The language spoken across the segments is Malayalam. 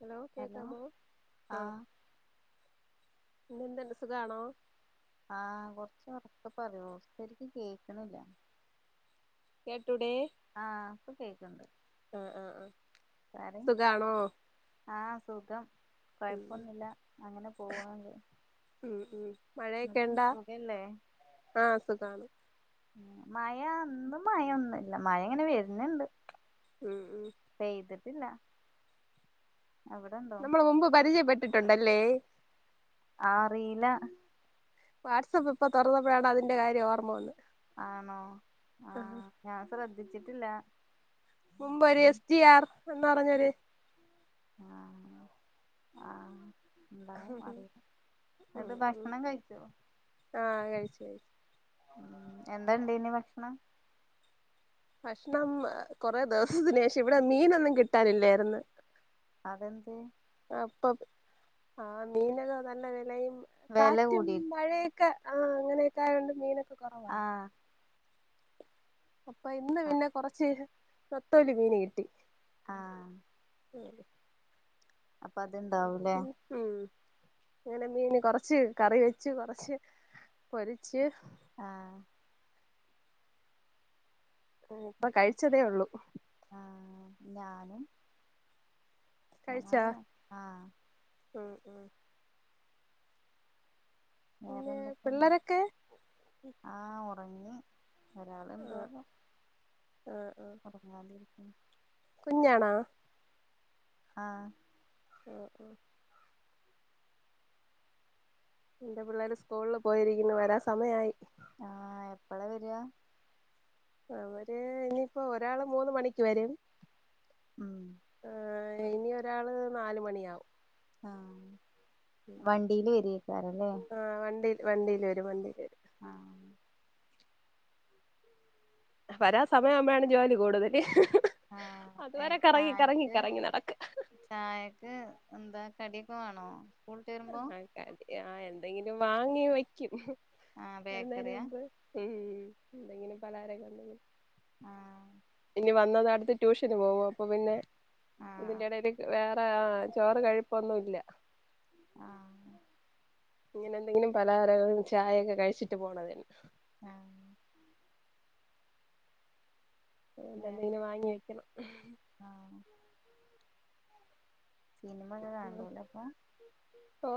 ഹലോ കേക്കാമോ ആ ആഹ് ഇന്നെന്തെന്ന സുഖാണോ ആ കൊറച്ച് ഉറക്ക പറയോ ശെരിക്ക് കേക്ണില്ല കേട്ടടുഡേ ആ പ്പം കേക്കണ്ട് ആ ആ ആ സുഖാണോ ആ സുഖം ഉം കുഴപ്പൊന്നില്ല അങ്ങനെ പോവ ഉം ഉം മഴയൊക്കെ എന്നിട്ടും ഇണ്ടാ തുകയല്ലേ ആഹ് സുഖാണ് ഉ മഴ എന്തും മഴൊന്നുംല്ല മഴ ഇങ്ങനെ വരുന്നുണ്ട് മ് മ് പെയ്തിട്ടില്ല അവിടെണ്ടോ നമ്മള ഒ്പ പരിചയ പറ്റി ട്ടുണ്ടല്ലേ ആറില്ല വാട്സആപ്പ് ഇപ്പൊ തുറന്നപ്പോഴാണ് അതിന്റെ കാര്യം ഓർമ്മയന്ന് ആണോ ആഹ ഞാൻ വിതിച്ചിട്ടില്ല മുമ്പ് ഒരു എസ്റ്റി ആർ എന്ന പറഞ്ഞൊര് ആഹ ആഹ ഉ ഉ ഭക്ഷണം കഴിച്ചോ ആഹ കഴിച്ചു കഴിച്ചു ഉ എന്താണ്ട് ഇനി ഭക്ഷണം ഭക്ഷണം കൊറെേ ദിവസത്തിന് ശേഷം ഇവിടെ മീനൊന്നും കിട്ടാനില്ലായിന്ന് അതെന്ന്ത് ആ മീനെ നല്ല വിലയും വെല കാറ്റും കൂടി മഴയൊക്കെ ആഹ് അങ്ങനെയൊക്കാറണ്ട് മീനൊക്കെ ആഹ അ അപ്പൊ ഇന്ന് പിന്നെ കുറച്ച് നത്തോലി മീന് കിട്ടി ആഹ ഉ അപ്പൊ അത്ണ്ടാവൂലേ ഉം ഇങ്ങനെ മീന് കൊറച്ച് കറി വെച്ച് കൊറച്ച് പൊരിച്ച് ആഹ ഇപ്പൊ കഴിച്ചതേ ഉള്ളൂ വര ആഹ ഉഹ [inaudible] പിന്നെ വേറെന്തൊക്കെയ പിള്ളേരൊക്കെ ആഹ ഭി [unintelligible] ഒരാൾ എന്തുവാന്നേ ഉറങ്ങാല ഉം [inaudible] കുഞ്ഞാണാ ആഹ ഓ ഓ എന്റെ പിള്ളേര് സ്കൂളിൽ പോയിരിക്കുന്നു വരാ സമയായി ആഹ് എപ്പളാ വരാ അവര് ഇനിയിപ്പോ ഒരാള് മൂന്ന് മണിക്ക് വരും ഉം ആഹ് ഇനി ഒരാള് നാല് മണിയാവും ആഹ ഉം വണ്ടിയില് വരിക്കാറല്ലേ വണ്ടിൽ വരു വണ്ടി ആഹ വരാ സമയം ആകുമ്പഴാണ് ജോലി കൂടുതല് ആഹ അതുവരെ കറങ്ങി കറങ്ങി ചായക്ക് കറങ്ങി നടക്കും ചായക്ക് എന്താ കടി വേണോ സ്കൂള്ട്ട് വരുമ്പോ ആക്കാല ആഹ എന്ത് അന്തെങ്കിലും വാങ്ങി വയ്ക്കും ആഹ് ഇറുന്നന് ബേക്കറിയാ മുമ്പ് ഉ എന്തെങ്കിലും പലാരൊക്ക എന്തെങ്കിലും ആഹ ഇനി വന്നത അടുത്ത് ട്യൂഷന് പോകും അപ്പൊ പിന്നെ ആഹ് ഇതിന്റെടൽ വേറെ ചോറ് കഴിപ്പൊന്നും ഇല്ല ആഹ് ഇങ്ങനെ എന്തെങ്കിലും പലാര ചായയൊക്കെ കഴിച്ചിട്ട് പോണത് ആഹ ന്ത വേറെ നീന വാങ്ങി വെക്കണം ആഹ് സിനിമ ഒക്കെ കണ്ടല അപ്പൊ ഓ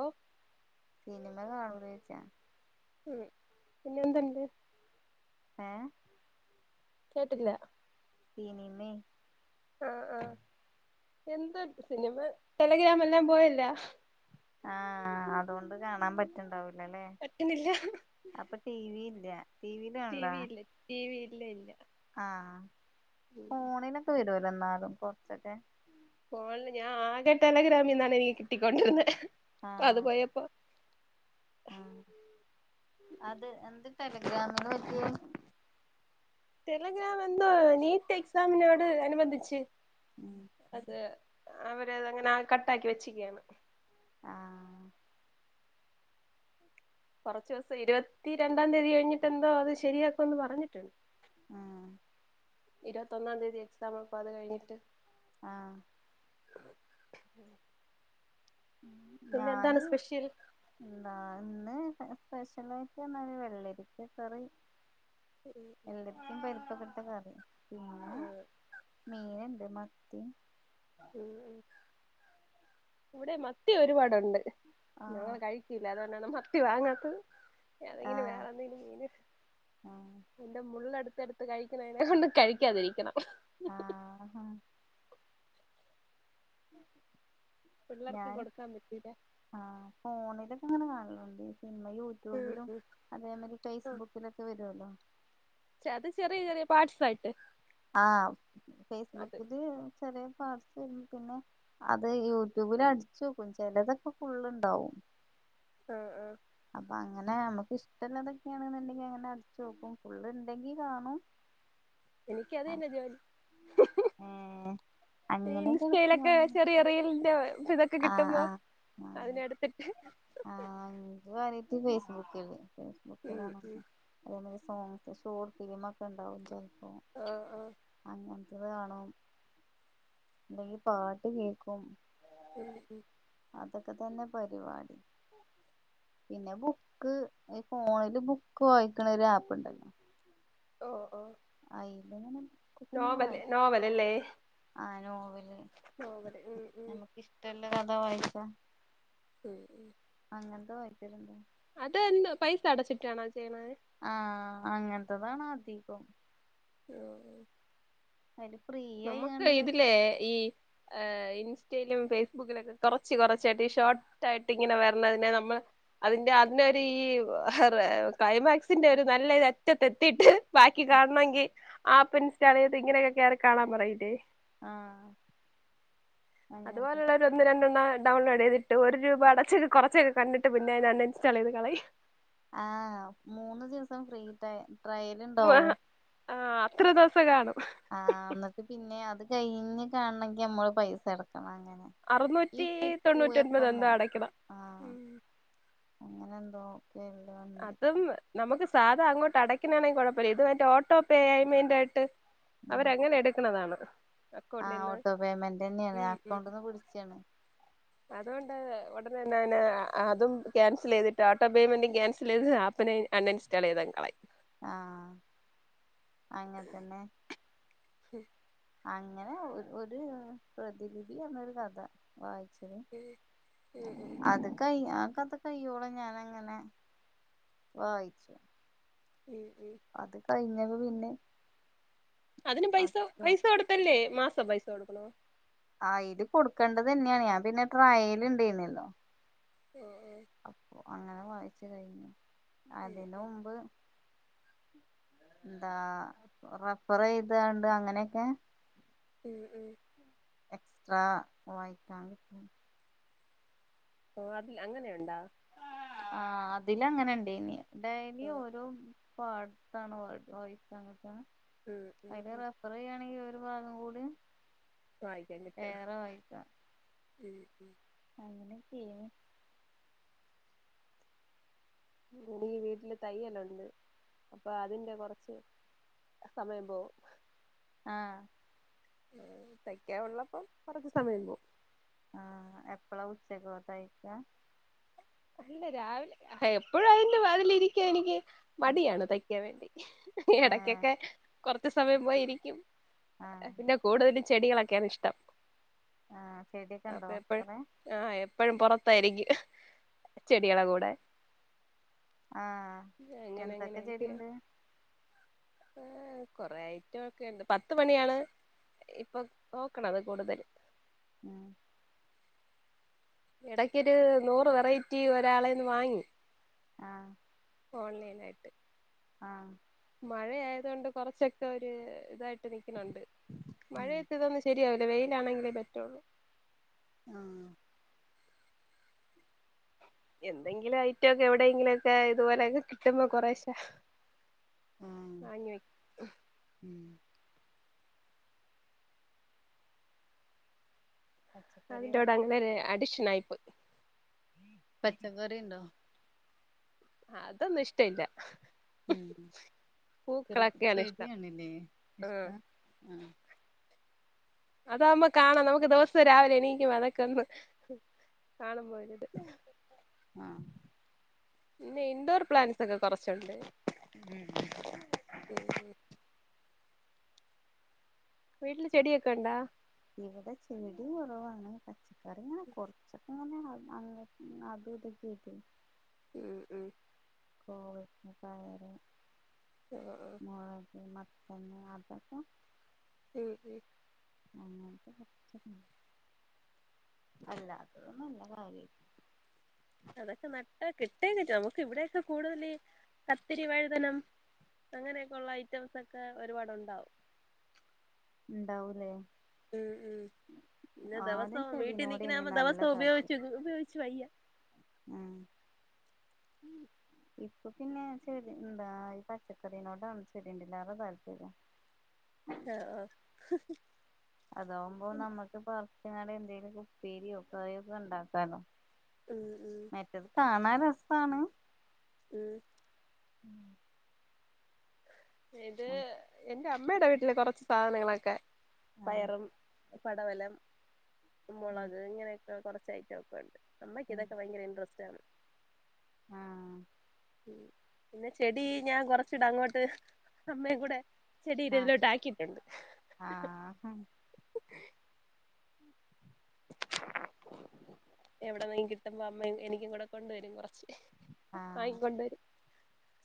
സിനിമ കാണ ചിച്ചാ ഉം പിന്നെന്തണ്ട് ആഏ കേട്ടില്ല സിനിമേ ആ ആ എന്ത സിനിമ ടെലഗ്രാമെല്ലാം പോയല്ല ആ ആ അതുകൊണ്ട് കാണാൻ പറ്റണ്ടാവ ല്ലേ പറ്റുന്നില്ല അപ്പൊ ടി വി ഇല്ല ടി വിയില് കാണലാ ടിവി ഇല്ല ടിവി ഇല്ല ഇല്ല ഫോണിനൊക്കെ വരോ എന്നാലും കുറച്ചൊക്കെ ഫോണിൽ ഞാൻ ആകെ ടെലഗ്രാമിന്നാണ് എനിക്ക് കിട്ടിക്കൊണ്ടിരുന്നേ അത് പോയപ്പ ആ അത് എന്ത് ടെലഗ്രാമിന് പറ്റിയെ ടെലെഗ്രാം എന്തോ നീറ്റ് എക്സമിനോട് അനുബന്ധിച്ച് ഉം അത് അവരത് അങ്ങനെ കട്ടാക്കി വെച്ചിക്കയാണ് ആഹ കുറച്ച ദിവസം ഇരുപത്തി രണ്ടാം തീയതി കഴിഞ്ഞിട്ട എന്തോ അത് ശരിയാക്കോന്ന് പറഞ്ഞിട്ടുണ്ട് ആ ഇരുപത്തൊന്നാം തീതി എക്സാം അപ്പ അത് കഴിഞ്ഞിട്ട് ആ ഉ ഞാനി എന്താ ഇന്ന് സ്പെഷ്യലായിട്ട് എന്ന വെള്ളരിക്ക കറി എന്റടുത്തും പരുപ്പ ക കറി ആ മീന് എന്തന്ന തി ഉ ഉ ഇവിടെ മത്തി ഒരുപാട് ണ്ട് ഞങ്ങ ആഹ് കഴിക്കില്ല അതുകൊണ്ട മത്തി വാങ്ങാത്തത് അതെങ്ങനെ ആഹ് വേറെന്തെങ്കിലും മീന് ആഹ് എന്റെ മുള്ളടുത്ത് എടുത്ത് കഴിക്കുന്നതിനെ കൊണ്ട് കഴിക്കാതിരിക്കണം ആഹ ഹ പിള്ളേർക്ക് ഞൻ കൊടുക്കാൻ പറ്റൂല ആ ഫോണിലൊക്കെ അങ്ങനെ കാണല അതെ പിന്നെ യൂട്യൂബിലും അതേമാതിരി ഫേസ്ബുക്കിലൊക്കെ വരുവല്ലോ സായിട്ട് ആ ഫേസ്ബുക്ക് ഇത് ചെറിയ പിന്നെ അത് യൂട്യൂബില് അടിച്ചു നോക്കും ചിലതൊക്കെ ഫുള്ണ്ടാവും ആഹ ആഹ അപ്പൊ അങ്ങനെ നമ്മക്ക് ഇഷ്ടമുള്ളതൊക്കെയാണ്ന്നുണ്ടെങ്കി അങ്ങനെ അടച്ച് നോക്കും ഫുള്ള് ഇണ്ടെങ്കി കാണും എനിക്ക് അത് തന്നെ ജോലി ഏഹ് അങ്ങനെയൊക്കെ എടുത്ത് ഇൻസ്റ്റയിലൊക്കെ കാണും ചെറിയ റിയലിന്റെ ഇത ആഹ് കിട്ടുമ്പോ ആഹ് ആഹ് അതിനടുത്തിട്ട് ആഹ് ഇൻക്ക് കാര്യായിട്ട് ഫേസ്ബുക്കില് ഉ ഉ സോസ് ഷോർട് ഫിലിമ ഒക്കെ ഉണ്ടാവും ആഹ ആഹ അങ്ങനത്തത് കാണും അല്ലെങ്കി പാട്ട് കേക്കും ഉം ഉം അതൊക്കെ തന്നെ പരിപാടി പിന്നെ ബുക്ക് ഈ ഫോണില് ബുക്ക് വായിക്കണ ഒരു ആപ്പ് ഉണ്ടല്ലോ ഓ ഓ ആയില്ലങ്ങനെ നോവൽ നോവൽല്ലേ ആ നോവല് നോവല് ഉം ഉ ന്ത വായിസ ഉം ഉ ങ്ങൻത്തെ വയ്ദ്യര്ണ്ട് അതന്നെ പൈസ അടച്ച്ട്ടാണോ അ ആഹ് അങ്ങൻ [unintelligible] അധികം [unintelligible] അതില് ഫ്രീ നമ്മക്ക് ആയിങ്ങാണ്ട് ഇതിലെ ഈ ഏഹ് ഇൻസ്റ്റയിലും ഫേസ്ബുക്കിലുവൊക്കെ കൊറച്ച് കൊറച്ചായിട്ട് ഈ ഷോർട്ടായിട്ട് ഇങ്ങനെ വരണതിനെ നമ്മള് അതിന്റെ അതിനൊരു ഈ ക്ലൈമാക്സിന്റെ ഒരു നല്ല ഇത് അറ്റത്തെത്തീട്ട് ബാക്കി കാണണെങ്കി ആപ്പിൻസ്റ്റാള് ചെയ്ത് ഇങ്ങനെയൊക്കെ കേറി കാണാൻ പറയില്ലേ ആഹ് അങ്ങനത്തെ അതുപോലുള്ളൊരു ഒന്ന് രണ്ടെണ്ണം ഡൗൺലോഡ് ചെയ്തിട്ട് ഒരു രൂപ അടച്ച് കൊറച്ചൊക്കെ കണ്ടിട്ട് പിന്നെ അൺ ഇൻസ്റ്റാള് ചെയ്ത് കളയും. ആഹ് മൂന്ന് ദിവസം ഫ്രീട്ട ട്രയലിണ്ടാവും. സം കാണും. ആഹ് എന്നട്ട് പിന്നേ അത് കഴിഞ്ഞ് കാണണെങ്കി നമ്മള് പൈസ അടക്കണം അങ്ങനെ ഈ അറുനൂറ്റി കുക്കു തൊണ്ണൂറ്റി എഫ് ഒൻപതോ എമ്മോ എന്തോ അടക്കണം. ആഹ് [unintelligible] അതും നമുക്ക് സാധാ അങ്ങോട്ട് അടക്കിനാണെങ്കിൽ കൊഴപ്പവില്ല ഇത് മറ്റെ ഓട്ടോ പേഅയ്മെന്റായിട്ട് ഉം അവരങ്ങനെ എടുക്കണതാണ്. ആഹ് അക്കൗണ്ടിന്ന് ഓട്ടോ പേയ്മെന്റെന്നേണ് ഉം ഉം അക്കൗണ്ടീന്ന് പിടിച്ചണ് അതുകൊണ്ട് ഒടനെന്നെ അയിന് അതും ക്യാൻസല് ചെയ്തിട്ട് ആട്ടോ പേയ്മെന്റും ക്യാൻസ ല് ചെയ്ത് ആപ്പിനേം അൺ ഇൻസ്റ്റാൾ ചെയ്തങ്ങ് കളയും. ആഹ് അങ്ങൻ തന്നെ. അങ്ങനെ ഒ ഒരു പ്രതിലിപി എന്നൊരു കഥ വായി ശരി ഉം ഉം അത് കഴിഞ്ഞ അത് കയ്യോളു ഞാനങ്ങനെ വായിച്ചു ഉം ഉം അത് കഴിഞ്ഞവ് പിന്നെ അതിന് പൈസ അച്ചോ പൈസ കൊടുത്തല്ലേ മാസ് പൈസ കൊടുക്കണോ ആഹ് ഇല് കൊടുക്കേണ്ടതന്നെയാണ് ഞാൻ പിന്നെ ട്രയൽ ഇണ്ടലിന്നല്ലേനോ ആഹ് ആഹ് അങ്ങനെ വായിച്ചു കൈഞ്ഞു ഉം അതിന്റെ മുമ്പ് ന്താ റഫർ ചെയ്തണ്ട് അങ്ങനെക്കെ ഉം ഉം എക്സ്ട്രാ വായിക്കാൻ കിട്ടും ഓ അതിൽ അങ്ങനെയൊണ്ടാ ആഹ് അതില് അങ്ങനെ ഇണ്ടേയിനി ഡൈലി ആഹ് ഓരോം പാടത്താണ് വായി വായിക്കാൻ കിട്ടാ ഉം ഉം അയ്ന് ഉം റെഫർ ചെയ്യാണെങ്കി ഒര് അപ്പതും കൂടിയും വായിക്കാൻ കിട്ടും വേറെ വായിക്കാ ഉം ഉം അങ്ങനെ ചെയ്യ്ന്ന് [unintelligible] ഈ വീട്ടില് തയ്യെല്ലാം ഒണ്ട് അപ്പൊ അതിന്റെ കൊറച്ച് സമയം പോകും ആഹ് തയ്ക്കാ ഉള്ളപ്പൊ കൊറച്ച് സമയം പോകും. ആ എപ്പളാ ഉച്ചകോ തയ്ക്ക? അല്ല രാവിലെ എപ്പഴും അയിന്റെ വാതിലിരിക്കാ എനിക്ക് മടിയാണ് തയ്ക്കാൻ വേണ്ടി ഏഹ് എടയ്ക്കെക്കെ കൊർ സമയം പോയിരിക്കും ആഹ് പിന്നെ കൂടുതല് ചെടികളൊക്കെ ണിഷ്ടം ആഹ് ചെടിയൊക്കെ ഉണ്ടോ അപ്പൊഎപ്പഴും കൊറേ ആ എപ്പഴും പൊറ ത്തായിരിക്കും. ചെടികളെ കൂടെ ആ അങ്ങനെ എന്തൊക്കെ ചെടിണ്ട്? ഏർ കൊറെ ഐറ്റൊക്കെണ്ട് പത്ത് മണിയാണ് ഇപ്പൊ നോക്കണത് കൂടുതല് ഉം എടക്കൊരു നൂറ് വെറൈറ്റി ഒരാളേന്ന് വാങ്ങി. ആ ഓൺലൈനായിട്ട് ആ മഴയായതൊണ്ട് കൊറച്ചക്കൊര് ഇതാ യിട്ട് നിക്ക്ണ് ണ്ട് ഉം മഴയത്തി തൊന്നും ശെരിയാവി വെയിലാണെങ്കേ പറ്റൊള്ളൂ ആഹ് എന്തെങ്കിലും ഐറ്റം ഒക്കെ എവിടെയെങ്കിലും ഒക്കെ ഇതുപോലെയൊക്കെ കിട്ടുമ്പോ കൊറേശെ ആഹ് ആാഞ്ഞോയ് ഉം പച്ചക്കറിയോ അതിന്റോട് അങ്ങനെ അടിഷ് നായ്പ് പച്ചക്കറിണ്ടോ അതൊന്നു ഇഷ്ടല്ല ഉം ക്റെ ഇഷ്ടം ചെടിയാണുലെ ആഹ് ഇഷ്ടം അതാവ്മ്പ കാണാം നമുക്ക് ദിവസം രാവിലെ എണീക്കും അതൊക്കെ ഒന്ന് കാണാൻ പോവലുണ്ട് ആഹ് ഇന്നെന്തൊരു പ്ലാൻ തൊക്കെ കുറച്ചുണ്ട്. ഉം വീട്ടിൽ ചെടിയൊക്കെഉണ്ടോ ഇവിടെ ചെടി കുറവാണേ, പച്ചക്കറിങ്ങെനെ കൊറച്ചകെങ്ങെനെ അ അങ്ങ് അതു ഇതൊക്കെ ആയിട്ട് ഉം ഉം കോവക്ക, പയർ ആഹ് ആഹ് മൊളക്, മത് തന്നെ അതപ്പൊ ഉം ഉം [inaudible] അതൊക്കെ നട്ടെ കിട്ടേയ്ഞ്ഞിട്ടൊ നമുക്ക് ഇവിടെകെ കൂടുതലീ കക്കരി വയതനാ അങ്ങനെക്കൊള്ള ഐറ്റംസൊക്കെ ഒരുപാട് ഉണ്ടാഉ ണ്ടാവൂലെ ഉം ഉം പിന്നെ ആദ്യം ദിവസവും വീട്ടിൽ ചെടിനോടേനി നിക്ക്‌ന്നാഉമ്പോ നല്ല ദിവസം ഉപയോഗിച്ചു താല്പര്യം ഉപയോഗിച്ചു വയ്യ ഉം ഇപ്പ പിന്നെചെടി ന്താ ഈ പച്ചക്കറിനോട് ആണ് ചെടിന്റെയ്ലാറെ താല്പര്യം ഏ അ അതാവുമ്പോ നമ്മക്ക് പർ ഞ്ഞാന് എന്തെലുക്കെ ഉപ്പേരിയോ കായൊക്കെ ണ്ടാക്കാർന്നു ഉം മറ്റത് കാ ന്നാ രസാണ് ഉം ഇത് എൻ ന്റെ അമ്മേട് വീട്ടില് കൊറച്ച് സാധനങ്ങളക്കെ ആഹ് ആഹ് പയറും പടവലം മൊളക് ഇങ്ങനെയൊക്കെ കൊറച് സൈറ്റൊക്കെണ്ട് അമ്മയ്ക്കിതൊക്കെ ഭയങ്കര ഇൻട്രസ്റ്റാണ് ആഹ് ഇന്ന് ചെടീ ഞാൻ കൊറച്ചൂടങ്ങോട്ട് അമ്മേം കൂടെ ചെടി ആഹ് ഇതിലോട്ട് ആക്കിട്ടൊണ്ട് ആഹ് എവിടെന്നേം കിട്ടുമ്പോ അമ്മ എനി എനിക്കും കൂടെ കൊണ്ടുവരും കൊറച്ച് ആ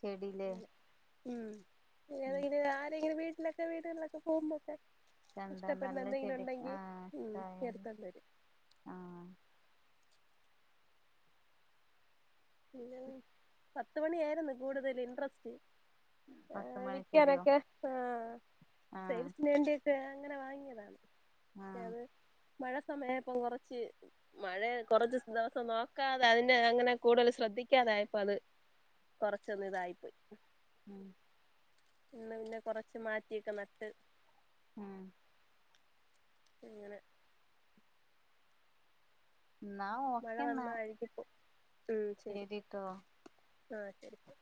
ചെടിയില്ലേ അങ്ങനെ ഉം ഏതെങ്കിലും ആരെടെങ്കിലും വീ ഇല്ലൊക്കെ വീടുകളിലൊക്കെ പോവുമ്പോക്കെ ചന്താ നല്ല ചെടി ആ ഉം ഇഷ്ടായാല് എടുത്തോണ്ട് വരും ആ പിന്നെ [unintelligible] പത്ത് മണിയാരുന്നു കൂടുതല് ഇൻട്രസ്റ്റ് ആ പത്ത് മണി ചെടിയോ വിയ്ക്കാനൊക്കെ ആ സേൽസിന് വേണ്ടിയൊക്കെ ഇന്നലെ വാങ്ങിയതാണ് ആ പക്ഷെ അത് മഴ സമയായപ്പം കൊറച്ച് മഴയെ കൊറച്ച് ദെവസം നോക്കാതെ അതിന്റെ അങ്ങനെ കൂടുതല് ശ്രദ്ധിക്കാതായപ്പോ അത് കൊറച്ചൊന്ന് ഇതായിപ്പോയ് ഉം ഞങ്ങള് പിന്നെ കൊറച്ച് മാറ്റിയൊക്കെ നട്ട് ആ അങ്ങനെ എന്നാ മഴ ഓക്കെന്നാ വന്നഴികീപ്പോ ഉം ശരി ശരിട്ടോ ആ ശരിപ്പം